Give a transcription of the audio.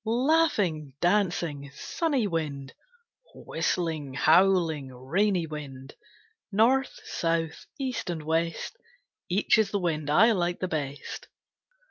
Laughing, dancing, sunny wind, Whistling, howling, rainy wind, North, South, East and West, Each is the wind I like the best.